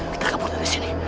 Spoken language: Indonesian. kita kabur dari sini